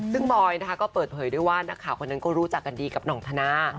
ซึ่งบอยนะคะก็เปิดเผยด้วยว่านักข่าวคนนั้นก็รู้จักกันดีกับห่องธนา